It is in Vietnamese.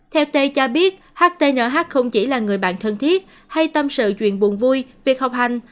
theo t cho biết htnh không chỉ là người bạn thân thiết hay tâm sự chuyện buồn vui việc học hành